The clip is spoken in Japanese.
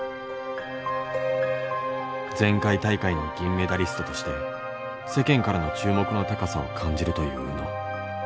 前回大会の銀メダリストとして世間からの注目の高さを感じるという宇野。